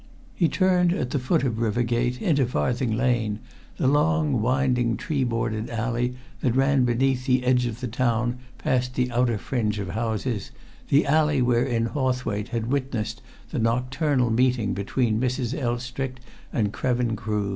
He turned at the foot of River Gate into Farthing Lane, the long, winding, tree bordered alley that ran beneath the edge of the town past the outer fringe of houses, the alley wherein Hawthwaite had witnessed the nocturnal meeting between Mrs. Elstrick and Krevin Crood.